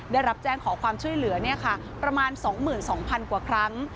ได้รับแจ้งขอความช่วยเหลือประมาณ๒๒๐๐๐กว่าครั้ง